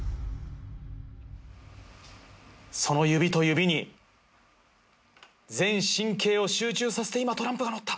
その指と指に全神経を集中させて今トランプがのった。